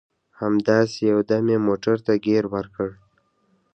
همداسې یو دم یې موټر ته ګیر ورکړ.